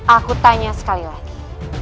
aku tanya sekali lagi